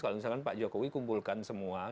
kalau misalkan pak jokowi kumpulkan semua